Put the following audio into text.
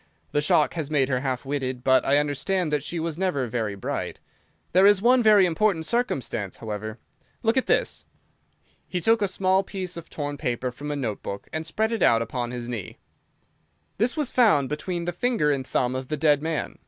The shock has made her half witted, but I understand that she was never very bright. There is one very important circumstance, however. Look at this!" He took a small piece of torn paper from a note book and spread it out upon his knee. "This was found between the finger and thumb of the dead man.